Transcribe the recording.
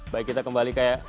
baik kita kembali